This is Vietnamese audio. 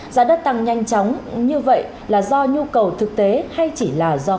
giá đất tăng nhanh chóng như vậy là do nhu cầu thực tế hay chỉ là do